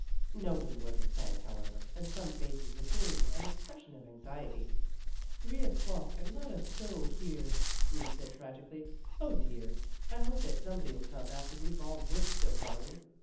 Nobody was in sight, however, and some faces assumed an expression of anxiety. " Three o'clock and not a soul here," Ruth said tragically. " 0, dear! I hope that some body'll come after we've all worked so hard."